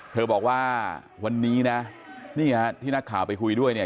เธอบอกว่าวันนี้นะนี่ฮะที่นักข่าวไปคุยด้วยเนี่ย